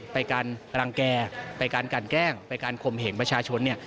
ไปการรังแก่ไปการกันแกล้งไปการคมเห็นประชาชน